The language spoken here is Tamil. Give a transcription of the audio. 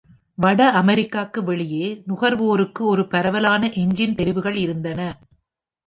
வட அமெரிக்காவிற்கு வெளியே, நுகர்வோருக்கு ஒரு பரவலான எஞ்சின் தெரிவுகள் இருந்தன.